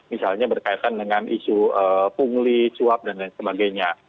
misalnya berkaitan dengan isu pungli suap dan lain sebagainya